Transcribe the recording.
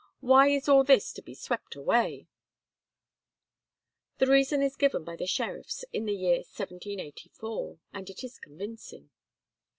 Why is all this to be swept away?" The reason is given by the sheriffs in the year 1784, and it is convincing.